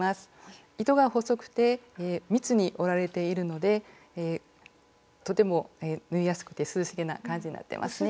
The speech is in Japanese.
糸が細くて密に織られているのでとても縫いやすくて涼しげな感じになってますね。